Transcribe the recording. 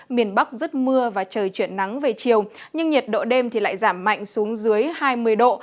miền bắc rất mưa và trời chuyển nắng về chiều nhưng nhiệt độ đêm thì lại giảm mạnh xuống dưới hai mươi độ